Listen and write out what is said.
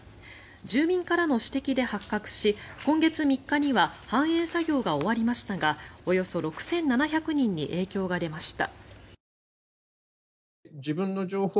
住民からの指摘で発覚し今月３日には反映作業が終わりましたがおよそ６７００人に影響が出ました。